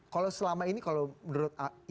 kalau selama ini kalau menurut